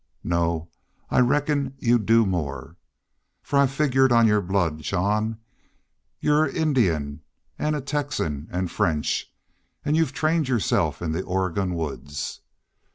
No, I reckoned you'd do more. For I figured on your blood. Jean, you're Indian, an' Texas an' French, an' you've trained yourself in the Oregon woods.